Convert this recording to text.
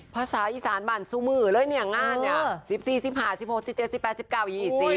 ภาษาอีสานบรรซุมือเลยเนี่ยงานเนี่ย